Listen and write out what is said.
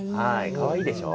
かわいいでしょう？